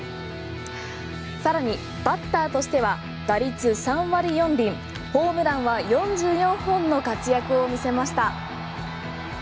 さらにバッターとしては打率３割４厘ホームランは４４本の活躍を見せました。